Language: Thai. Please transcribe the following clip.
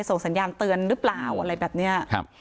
ส่งสัญญาณเตือนหรือเปล่าอะไรแบบเนี้ยครับ